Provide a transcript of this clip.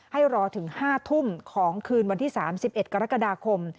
ให้รอถึง๕ทุ่มของคืนวันที่๓๑กรกฎาคม